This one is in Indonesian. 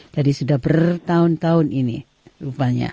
jadi sudah bertahun tahun ini rupanya